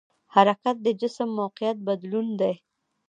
حرکت د جسم موقعیت بدلون دی.